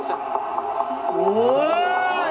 お！